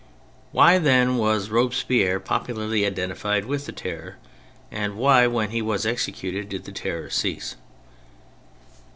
Why, then, was Robespierre popularly identified with the Terror, and why, when he was executed, did the Terror cease